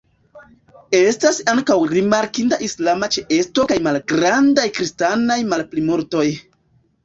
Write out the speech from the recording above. Estas ankaŭ rimarkinda islama ĉeesto kaj malgrandaj kristanaj malplimultoj.